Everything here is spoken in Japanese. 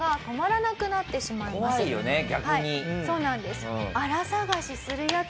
はいそうなんです。